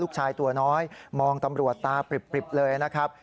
ตัวน้อยมองตำรวจตาปริบเลยนะครับ